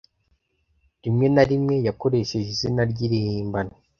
rimwe na rimwe yakoresheje izina ry'irihimbano